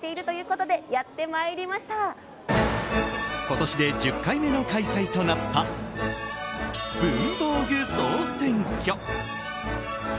今年で１０回目の開催となった文房具総選挙。